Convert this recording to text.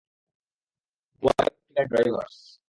White tiger drivers'.